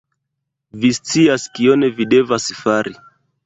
Vi scias kion vi devas fari